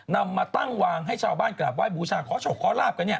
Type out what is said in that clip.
นำมาตั้งวางให้ชาวบ้านกราบไห้บูชาขอโชคขอลาบกันเนี่ย